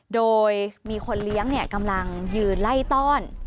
โดยมีคนเลี้ยงกำลังยืนไล่ต้อน